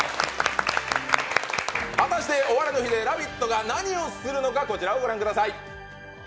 果たして「お笑いの日」で「ラヴィット！」が何をするのかこちらを御覧ください。